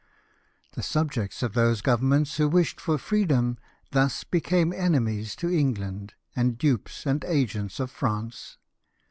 The subjects of those Governments who wished for free dom thus became enemies to England, and dupes and agents of France.